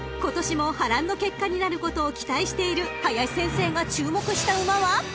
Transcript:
［今年も波乱の結果になることを期待している林先生が注目した馬は］